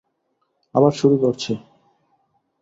আবার শুরু করছি।